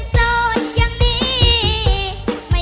โถ่บะ